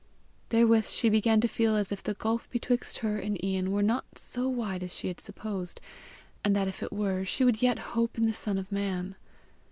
Therewith she began to feel as if the gulf betwixt her and Ian were not so wide as she had supposed; and that if it were, she would yet hope in the Son of Man.